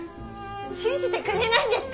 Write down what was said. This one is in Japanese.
信じてくれないんですか？